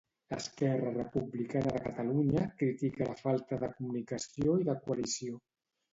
Esquerra Republicana de Catalunya critica la falta de comunicació i de coalició.